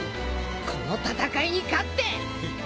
この戦いに勝って。